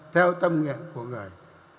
theo tâm nguyện của người